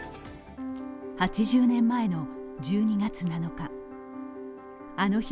８０年前の１２月７日。